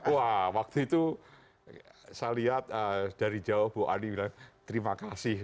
wah waktu itu saya lihat dari jauh bu adi bilang terima kasih